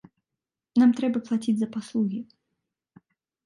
Нам трэба плаціць за паслугі.